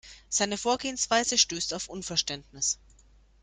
Seine Vorgehensweise stößt auf Unverständnis.